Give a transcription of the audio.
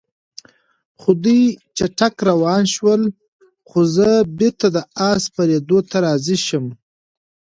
خو دوی چټک روان شول، څو زه بېرته د آس سپرېدو ته راضي شم.